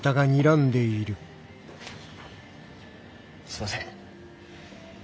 すんません。